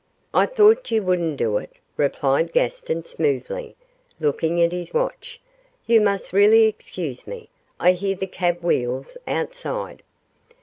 'I thought you would not do it,' replied Gaston, smoothly, looking at his watch; 'you must really excuse me, I hear the cab wheels outside.